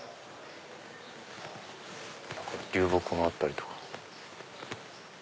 流木もあったりとか。